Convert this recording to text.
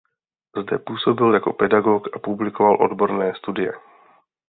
Zde působil jako pedagog a publikoval odborné studie.